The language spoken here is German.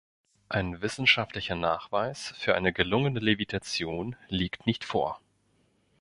Ein wissenschaftlicher Nachweis für eine gelungene Levitation liegt nicht vor.